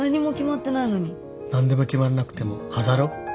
何でも決まらなくても飾ろう。